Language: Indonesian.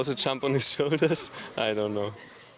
saya tidak tahu